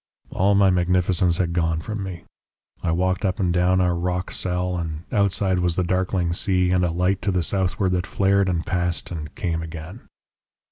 "All my magnificence had gone from me. I walked up and down our rock cell, and outside was the darkling sea and a light to the southward that flared and passed and came again.